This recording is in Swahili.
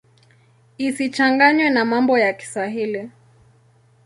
Isichanganywe na mambo ya Kiswahili.